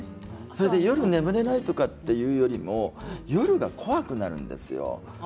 夜、眠れないというよりも夜が怖くなるんですよ。